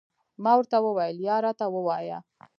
ما ورته وویل، یا راته ووایه.